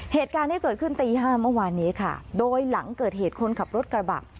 เหตุการณ์ที่เกิดขึ้นตีห้าเมื่อวานนี้ค่ะโดยหลังเกิดเหตุคนขับรถกระบะ